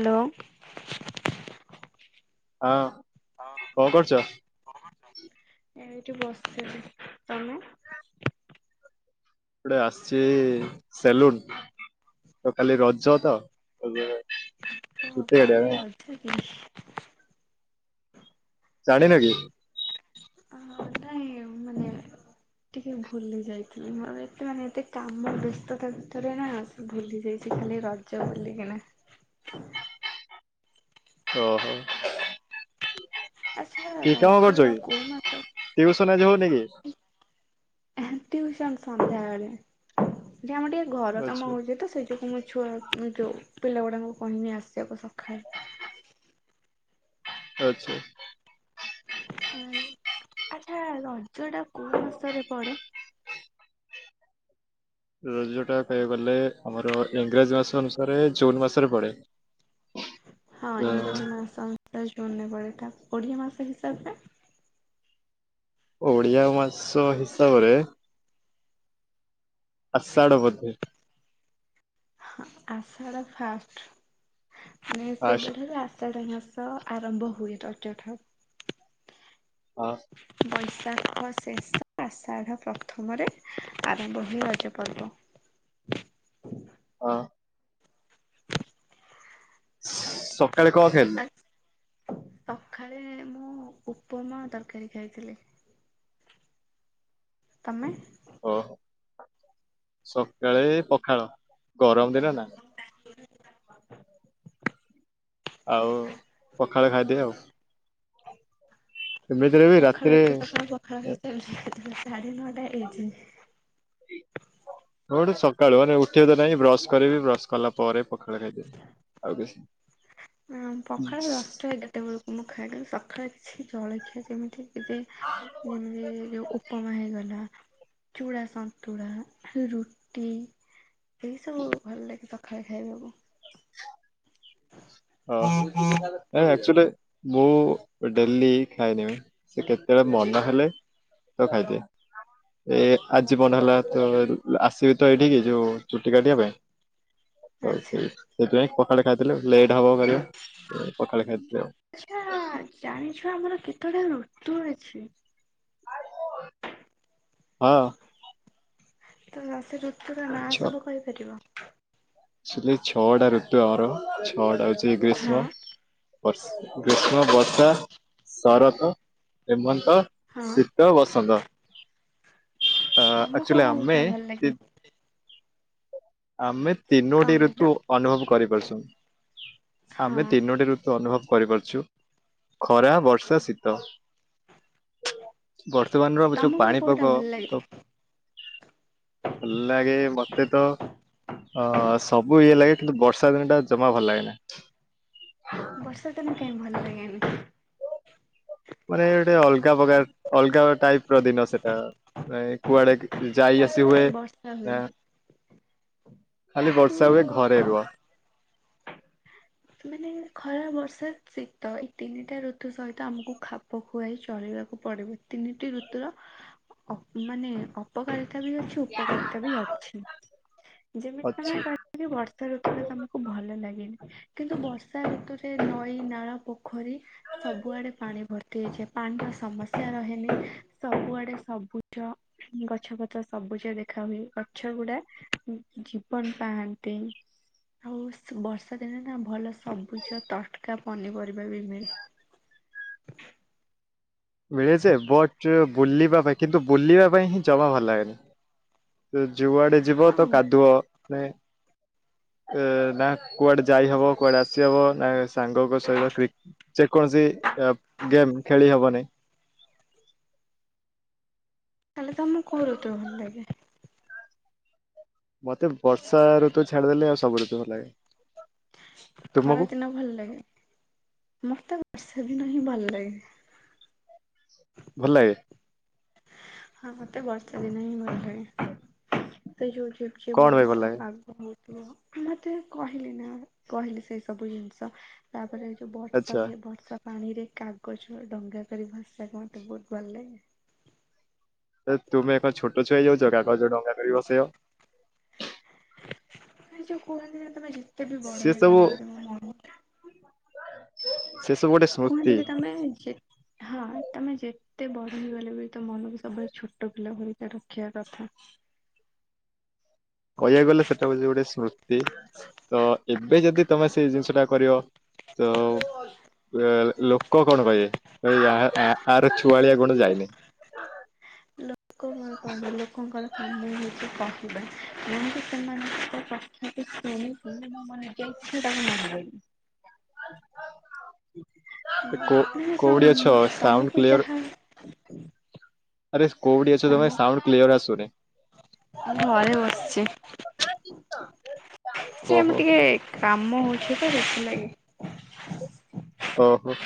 Hello. ହଁ। କଣ କରୁଛ? ଏଇଠି ବସିଥିଲି, ତମେ? ଏପଟେ ଆସିଛି ସେଲୁନ୍ ତ କାଲି ରଜ ତ [unintelligible] ଓହୋ କାଟିବା କାଲି ପାଇଁ ରଥ କି? ଜାଣିନ କି? ଅହ ନାଇଁ ମାନେ ଟିକେ ଭୁଲି ଯାଇଥିଲି ମୋର ଏତେ ମାନେ ଏତେ କାମ ବ୍ୟସ୍ତତା ଭିତରେ ନାଁ ଆସି ଭୁଲି ଯାଇଛି କାଲି ରଜ ବୋଲିକିନା। [unintelligible] ଓ ହୋ। ଆଚ୍ଛା ରଜ ଟା କୋଉ ମାସରେ ଟିୟୁସନ୍ ଆଜି ହଉନି କି? ଟିୟୁସନ୍ ସନ୍ଧ୍ୟା ଅଲେ ଏଠି ଆମ ଟିକେ ଘର ଆଚ୍ଛା କାମ ହେଉଛି ତ ସେ ଯୋଗୁଁ ମୁଁ ଛୁଆ ଯେଉଁ ପିଲ ଗୁଡ଼ାକଙ୍କୁ କହିନି ଆସିବାକୁ ସକାଳେ। ଆଚ୍ଛା ଆ ଆଚ୍ଛା ରଜ ଟା କୋଉ ମାସରେ ପଡେ? ରଜ ଟା କହିବାକୁ ଗଲେ ଆମର ଇଂରାଜୀ ମାସ ଅନୁସାରେ ଜୁନ ମାସରେ ପଡେ। ହଁ ତ ଇଂଗ୍ରେଜି ମାସ ଅନୁସାରେ ଜୁନ୍ ରେ ପଡେ ତା ଓଡ଼ିଆ ମାସ ହିସାବର? ଓଡ଼ିଆ ମାସ ହିସାବରେ ଆଷାଢ ବୋଧେ? ହଁ ଆଷାଢ଼ ଫାଷ୍ଟ ମାନେ ଫାଷ୍ଟ ସେବେ ଠାରୁ ଆଷାଢ଼ ମାସ ଅ ଆରମ୍ଭ ହୁଏ ରଜ ଥାଉ। ଅ ବୈଶାଖ ଶେଷ ଆଷାଢ଼ ପ୍ରଥମରେ ଆରମ୍ଭ ହୁଏ ରଜପର୍ବ। ହଁ। ସକାଳେ କଣ ଖାଇଲୁ? ସକାଳେ ମୁଁ ଉପମା ତରକାରୀ ଖାଇଥିଲି। ତମେ? ଓହୋ। ସକାଳେ ପଖାଳ ଗରମ ଦିନ ନା। [inaudible] ଆଉ ପଖାଳ ଖାଇଦିଏ ଆଉ। ଏମିତିରେ ବି ସଖାଳୁ ରାତିରେ ଏତେ ସକାଳୁ ପଖାଳ [unintelligible] ସାଢେ ନଅଟା ହେଇଛି? [unintelligible] ସକାଳୁ ମାନେ ଉଠିବ ତ ନାହିଁ ବ୍ରସ୍ କରିବି ବ୍ରସ୍ କଲା ପରେ ପଖାଳ ଖାଇଦେବେ ଆଉ କିଛି ନା ମୁଁ ପଖାଳ ଦଶଟା ଏଗାରଟା ବେଳକୁ ମୁଁ ଖାଏ କାରଣ ସକାଳେ କିଛି ଜଳଖିଆ ଯେମିତିକି ଯେ [inaudible] ଉଁନ୍ ଉପମା ହେଇଗଲା ଚୁଡ଼ା ସନ୍ତୁଳା, ରୁଟି ଏଇ ସବୁ ଭଲ ଲାଗେ ସକାଳେ ଖାଇବାକୁ। ଅ ଏକ୍ଟୁଆଲୀ ମୁଁ ଡେଲି ଖାଇଦେବି ସେ କେତେବେଳେ ମନା ହେଲେ ତ ଖାଇଦିଏ ଏ ଆଜି ମନ ହେଲା ତ ଆସିବି ତ ଏଇଠିକି ଯୋଉ ଚୁଟି କାଢଟିବା ପାଇଁ। ଆଚ୍ଛା ସେ ସେଥିପାଇଁ ପଖାଳ ଖାଇଥିଲେ ଲେ ଟ୍ ହେବ କାଲେ ପକାଳ ଖାଇଦେଲି ଆଉ। ଆଚ୍ଛା ଜାଣିଛ ଆମର କେତେଟା ଋତୁ ଅଛି? [unintelligible] ହଁ। ତ ସେ ଋତୁୁର ନାଁ ସବୁ କହିପାରିବ? ଏକ୍ଟୁଆଲୀ ଛଅଟା ଋତୁ ଆମର ଛଅଟା ହେଉଛି ଗ୍ରୀଷ୍ମ ହଁ ବର୍ଷ ଗ୍ରୀଷ୍ମ, ବର୍ଷା ଶରତ, ହେମନ୍ତ, ହଁ ଶୀତ, ବସନ୍ତ। ଅ ତମକୁ ଏକ୍ଟୁଆଲି ଆମେ କୋଉଟା ଭଲ ଲାଗେ? ଆମେ କଣ ତିନୋଟି କହିଲ? ଋତୁ ଅନୁଭବ କରିପାରୁଛନ୍ତି। ହଁ ଆମେ ତିନୋଟି ଋତୁ ଅନୁଭବ କରିପାରୁଛୁ, ଖରା, ବର୍ଷା, ଶୀତ। ବର୍ତ୍ତମାନର ଯୋଉ ତମକୁ କୋଉଟା ପାଣିପାଗ ଭଲ ଲାଗେ? ତ ଭଲ ଲାଗେ ମତେ ତ ଅ ସବୁ ଇଏ ଲାଗେ କିନ୍ତୁ ବର୍ଷା ଦିନ ଟା ଜମା ଭଲ ଲାଗେ ନା। ବର୍ଷା ଦିନେ କାହିଁ ଭଲ ଲାଗେନି? ମାନେ ଗୋଟେ ଅଲଗା ପ୍ରକାର ଅଲଗା ଟାଇପ୍ ର ଦିନ ସେଟା। ମାନେ କୁଆଡେ ଯାଇ ଆସି ହୁଏ ସବୁବେଳେ ବର୍ଷା ହୁଏ ନା ଖାଲି କିନ୍ତୁ ବର୍ଷା ହୁଏ ଘରେ ରୁହ। ମାନେ ଖରା, ବର୍ଷା, ଶୀତ ଏଇ ତିନିଟା ଋତୁ ସହିତ ଆମକୁ ଖା ପ ଖୁଆଇ ଚଳିବାକୁ ପଡିବ ତିନିଟି ଋତୁର ଅ ମାନେ ଅ ଅପକାରିତା ବି ଅଛି ଉପକାରତା ବି ଅଛି। ଯେମିତି ଅଛି ତମେ ବା [inaudible] ବର୍ଷା ଋତୁରେ ତମକୁ ଭଲ ଲାଗେନି କିନ୍ତୁ ବର୍ଷା ଋତୁରେ ନଈ, ନାଳ ପୋ ପୋଖରୀ ସବୁଆଡେ ପାଣି ଭର ତି ହେଇଯାଏ ପାଣିର ସମସ୍ୟା ରହେନି ସବୁଆଡେ ସବୁଜ ଗଛ ପତ୍ର ସବୁଜ ଦେଖା ହୁଏ ଗଛ ଗୁଡା ଉଁ ଜୀବନ ପାଆନ୍ତି। ଆଉ ସୁ ବର୍ଷା ଦିନେ ନା ଭଲ ସବୁଜ ତଟକା ପନିପରିବା ବି ମିଳେ। ମିଳେଯ ବଟ ବୁଲିବା ପାଇଁ କିନ୍ତୁ ବୁଲିବା ପାଇଁ ହିଁ ଜମା ଭଲ ଲାଗେନି। ତ ଯୁଆଡେ ଯିବ ତ ହଁ କାଦୁଅ ନେ ଏ ନା କୁଆଡେ ଯାଇହବ କୁଆଡେ ଆସି ହବ ନା ସାଙ୍ଗଙ୍କ ସହିତ କ୍ରି ଯେ କୌଣସି ଗେମ୍ ଖେଳି ହବନିଁ। ତାଲେ ତମକୁ କୋରୁ ତ ଭଲ ଲାଗେ? ମତେ ବର୍ଷା ଋତୁ ଛାଡିଦେଲେ ଆଉ ସବୁ ଋତୁ ଭଲ ଲାଗେ। ଖରା ତୁମକୁ ଦିନ ଭଲ ଲାଗେ ମତେ ବର୍ଷା ଦିନ ହିଁ ଭଲ ଲାଗେ। ଭଲ ଲାଗେ। ହଁ ହଁ ମତେ ବର୍ଷା ଦିନ ହିଁ ଭଲ ଲାଗେ ସେ ଯୋଉ ଝିପ୍ ଝିପ୍ କଣ ପାଇଁ ଭଲ ବର୍ଷା ଲାଗେ? ପାଗ ହଉଥିବ ମତେ କହିଲି ନା କହିଲି ସେଇ ସବୁ ଜିନିଷ ତାପରେ ଏ ଯୋଉ ବର୍ଷା ଆଚ୍ଛା ହୁଏ ବର୍ଷା ପାଣିରେ କାଗଜ ଡଙ୍ଗା କରି ଭସେଇବାକୁ ମତେ ବୋହୁତ ଭଲ ଲାଗେ। ତୁମେ କଣ ଛୋଟ ଛୁଆ ହେଇଯାଉଛ କାଗଜ ଡଙ୍ଗା କରି ଭସେଇବ? ଏ ଯୋଉ କୁହନ୍ତି ନା ତମେ ଯେତେ ବି ସେ ବଡ ସବୁ ହେଇଗଲେ ବି ତମ ମ ସେ ସବୁ ଗୋଟେ କୁହନ୍ତି ସ୍ମୃତି କି ତମେ ଯେତ୍ ହଁ ତମେ ଯେତ୍ ତେ ବଡ ହେଇଗଲେ ବି ତୋ ମନକୁ ସବୁବେଳେ ଛୋଟ ପିଲା ଭଳି କା ରଖିବାର କଥା। କହିବାକୁ ଗଲେ ସେଟା ହଉଛି ଗୋଟେ ସ୍ମୃତି। ତ ଏବେ ଯଦି ତମେ ସେଇ ଜିନିଷ ଟା କରିବ ତ ଅ ଲୋକ କଣ କହିବେ ଆ ଆର ଛୁଆଳିଆ ଗୁଣ ଯାଇନି। ଲୋ ଲୋକ କଣ କହିବେ ଲୋକଙ୍କର କାମ ହଉଛି କହିବା ମୁଁ ବି ସେମାନଙ୍କ କ ତାକୁ ଶୁଣିକି ମୋ ମନରେ ଏଯାଏ କିଛି ବାହାନା ମାରେନି। କୋଉଠି ଅଛ [unintelligible] ସାଉଣ୍ଡ ତମକୁ କ୍ଲିୟର ଯାହା ଆରେ କୋଉଡି ଅଛ ତମେ ସାଉଣ୍ଡ କ୍ଲିଅର ଆସୁନେଇଁ? ମୁଁ ଘରେ ବସିଛି ସେମ ଓହୋ ଟିକେ କାମ ହଉଛି ତ ସେଥିଲାଗି। ଓ ହୋ।